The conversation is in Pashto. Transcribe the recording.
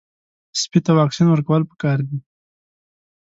سپي ته واکسین ورکول پکار دي.